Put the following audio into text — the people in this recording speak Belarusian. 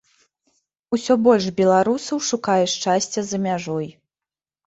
Усё больш беларусаў шукае шчасця за мяжой.